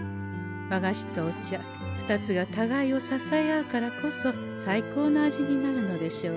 和菓子とお茶２つがたがいを支え合うからこそ最高の味になるのでしょうね。